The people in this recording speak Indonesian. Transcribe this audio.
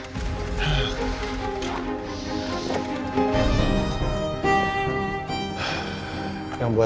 gimana cara mereka tukeran mobil